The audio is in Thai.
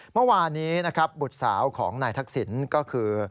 เมื่อวานนี้นะครับบุตรสาวของนายทักษิณก็คือ